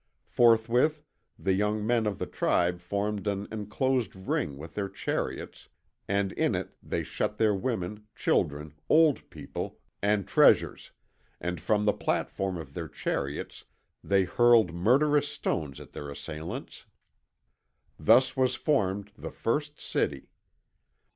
Forthwith the young men of the tribe formed an enclosed ring with their chariots, and in it they shut their women, children, old people, cattle, and treasures, and from the platform of their chariots they hurled murderous stones at their assailants. Thus was formed the first city.